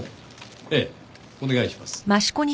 ええお願いします。